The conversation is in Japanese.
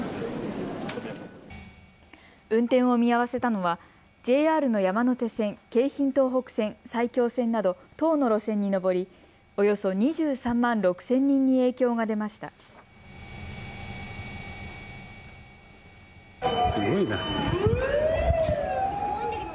運転を見合わせたのはＪＲの山手線、京浜東北線、埼京線など、１０の路線に上りおよそ２３万６０００人に影響が出ました。